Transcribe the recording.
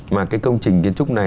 mà cái công trình kiến trúc này